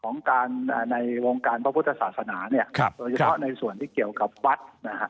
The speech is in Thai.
ในวงการประพุทธศาสนาโดยเฉพาะในส่วนที่เกี่ยวกับวัตต์